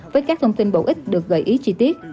với các thông tin bổ ích được gợi ý chi tiết